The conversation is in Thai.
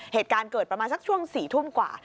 เหตุการณ์เกิดประมาณสักช่วง๔ทุ่มกว่า